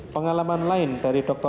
pengalaman lain dari dokter